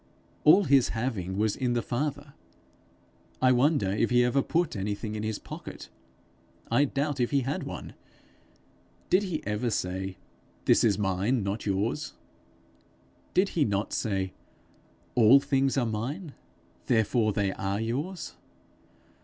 All his having was in the Father. I wonder if he ever put anything in his pocket: I doubt if he had one. Did he ever say, 'This is mine, not yours'? Did he not say, 'All things are mine, therefore they are yours'?